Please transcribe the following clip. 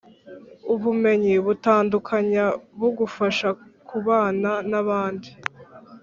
ubumenyi butandukanya bugufasha kubana nabandi